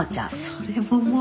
それももう。